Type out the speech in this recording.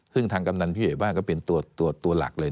ซึ่งทางกำนันผู้ใหญ่บ้านก็เป็นตัวหลักเลย